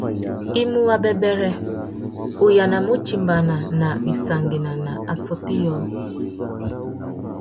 I mú wabêbêrê, u yānamú utimba nà wissangüena nà assôtô yôō.